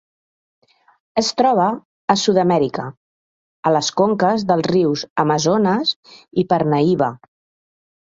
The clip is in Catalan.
Es troba a Sud-amèrica, a les conques dels rius Amazones i Parnaíba.